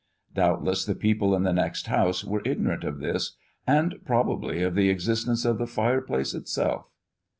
Doubtless the people in the next house were ignorant of this, and, probably, of the existence of the fireplace itself.